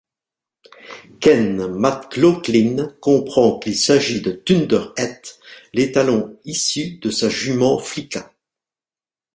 Ken Mac Laughlin comprend qu'il s'agit de Thunderhead, l'étalon issu de sa jument Flicka.